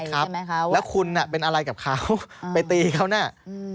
ใช่ครับแล้วคุณเป็นอะไรกับเขาไปตีเขาเนี่ย